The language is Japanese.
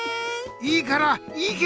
いいから行け！